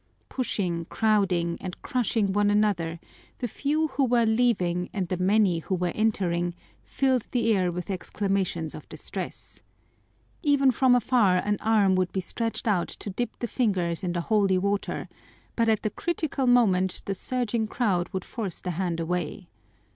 Pushing, crowding, and crushing one another, the few who were leaving and the many who were entering filled the air with exclamations of distress. Even from afar an arm would be stretched out to dip the fingers in the holy water, but at the critical moment the surging crowd would force the hand away.